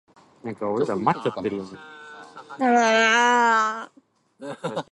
Mazin wrote and directed another superhero film spoof "Superhero Movie".